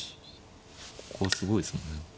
ここはすごいですもんね。